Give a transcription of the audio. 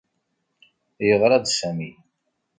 Yeɣra-d Sami.